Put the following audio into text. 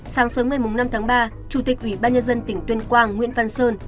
sáng sớm ngày năm tháng ba chủ tịch ủy ban nhân dân tỉnh tuyên quang nguyễn văn sơn